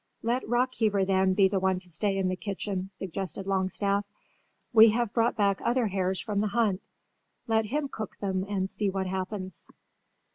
"Let Rockheaver, then, be the one to stay in the kitchen," suggested Longstaff. "We have brought back other hares from the hunt. Let him cook them and see what happens."